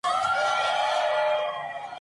Ha trabajado en Burkina Faso y en Mali.